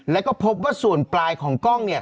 แล้วก็พบว่าส่วนปลายของกล้อง